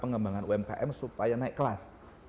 pengembangan umkm supaya naik kelas